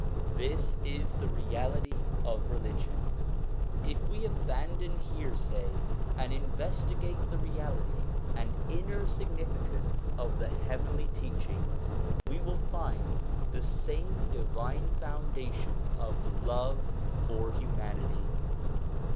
This is the reality of religion. If we abandon hearsay and investi gate the reality and inner significance of the heavenly teachings we \vill find the same divine foundation of love for humanity.